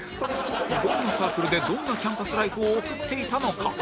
どんなサークルでどんなキャンパスライフを送っていたのか？